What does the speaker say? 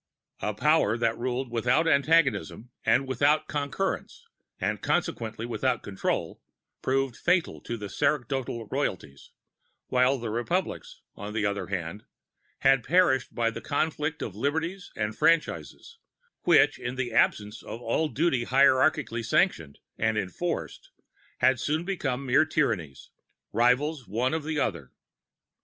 "A power that ruled without antagonism and without concurrence, and consequently without control, proved fatal to the Sacerdotal Royalties; while the Republics, on the other hand, had perished by the conflict of liberties and franchises, which, in the absence of all duty hierarchically sanctioned and enforced, had soon become mere tyrannies, rivals one of the other.